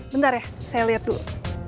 bentar ya saya lihat dulu